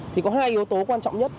thì có hai yếu tố quan trọng nhất